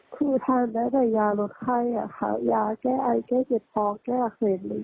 คือทานได้แต่ยาลดไข้ยาแก้อายแก้เจ็ดของแก้อักเสบ